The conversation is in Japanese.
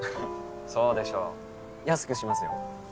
そうでしょう？安くしますよ。